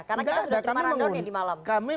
karena kita sudah di maradon ya dimalam